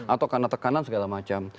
atau karena tekanan segala macam